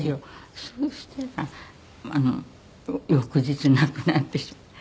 そうしたら翌日に亡くなってしまって。